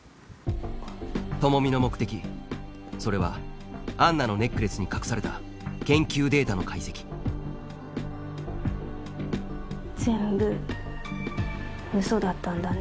朋美の目的それはアンナのネックレスに隠された研究データの解析全部ウソだったんだね。